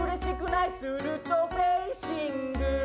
「するとフェンシングの」